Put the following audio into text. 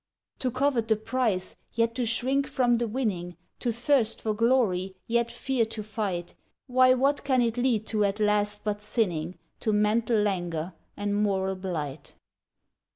To covet the prize, yet to shrink from the winning; To thirst for glory, yet fear to fight; Why what can it lead to at last but sinning, To mental languor and moral blight?